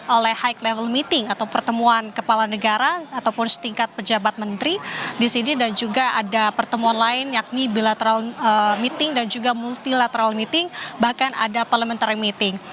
oleh high level meeting atau pertemuan kepala negara ataupun setingkat pejabat menteri di sini dan juga ada pertemuan lain yakni bilateral meeting dan juga multilateral meeting bahkan ada parliamentary meeting